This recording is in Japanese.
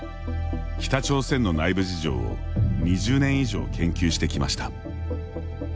北朝鮮の内部事情を２０年以上研究してきました。